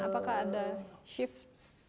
apakah ada shift di fokusnya